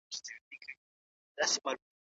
ځیني پلټني د زده کوونکو او محصلینو لخوا ترسره کیږي.